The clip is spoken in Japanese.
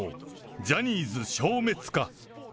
ジャニーズ消滅か。